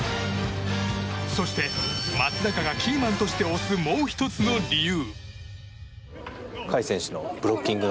そして、松坂がキーマンとして推すもう１つの理由。